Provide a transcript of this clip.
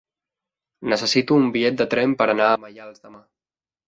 Necessito un bitllet de tren per anar a Maials demà.